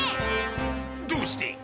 どうして？